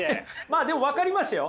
まあでも分かりますよ！